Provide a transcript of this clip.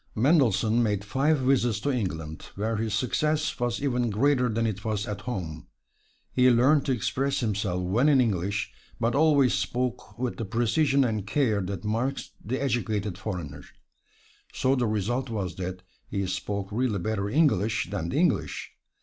Mendelssohn made five visits to England, where his success was even greater than it was at home. He learned to express himself well in English, but always spoke with the precision and care that marks the educated foreigner. So the result was that he spoke really better "English" than the English.